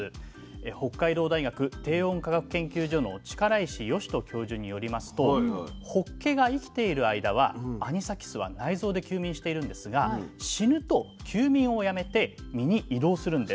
北海道大学低温科学研究所の力石嘉人教授によりますとほっけが生きている間はアニサキスは内臓で休眠しているんですが死ぬと休眠をやめて身に移動するんです。